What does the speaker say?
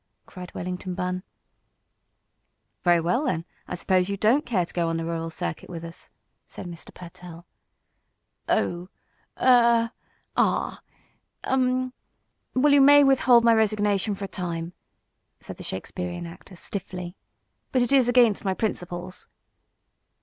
cried Wellington Bunn. "Very well, then, I suppose you don't care to go on the rural circuit with us," said Mr. Pertell. "Oh er ah! Um! Well, you may with hold my resignation for a time," said the Shakespearean actor, stiffly. "But it is against my principles."